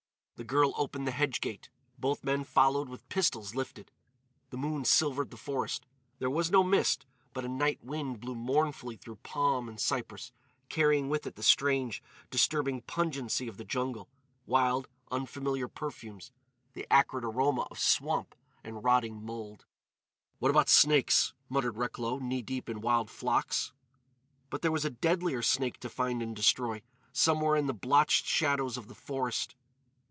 The girl opened the hedge gate. Both men followed with pistols lifted. The moon silvered the forest. There was no mist, but a night wind blew mournfully through palm and cypress, carrying with it the strange, disturbing pungency of the jungle—wild, unfamiliar perfumes,—the acrid aroma of swamp and rotting mould. "What about snakes?" muttered Recklow, knee deep in wild phlox. But there was a deadlier snake to find and destroy, somewhere in the blotched shadows of the forest.